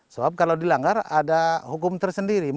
sebab kalau dilanggar ada hukum tersendiri